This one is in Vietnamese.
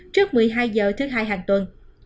trước một mươi hai h thứ hai hàng tuần